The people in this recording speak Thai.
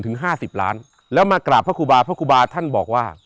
ห้าสิบล้านแล้วมากราบพระครูบาพระครูบาท่านบอกว่า